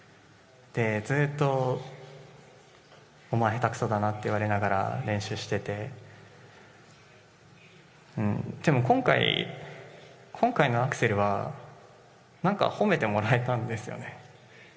ずっとお前、下手くそだなって言われながら練習してて、でも今回、今回のアクセルは、なんか褒めてもらえたんですよね。